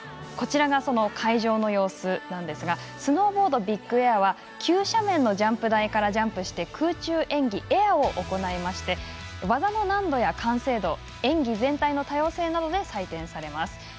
こちらが会場の様子なんですがスノーボード、ビッグエアは急斜面のジャンプ台からジャンプして空中演技、エアを行いまして技の難度や完成度、演技全体の多様性などで採点されます。